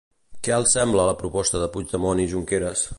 Què els sembla la proposta de Puigdemont i Junqueras?